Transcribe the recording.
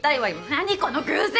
何この偶然！